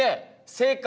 正解。